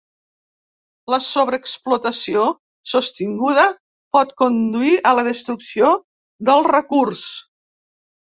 La sobreexplotació sostinguda pot conduir a la destrucció del recurs.